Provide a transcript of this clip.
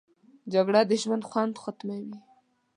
جګړه د ژوند خوند ختموي